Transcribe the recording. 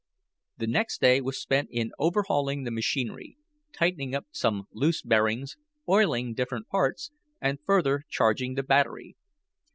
The next day was spent in overhauling the machinery, tightening up some loose bearings, oiling different parts, and further charging the battery.